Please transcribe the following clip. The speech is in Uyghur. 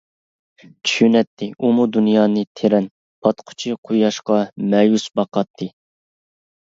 چۈشىنەتتى ئۇمۇ دۇنيانى تېرەن، پاتقۇچى قۇياشقا مەيۈس باقاتتى.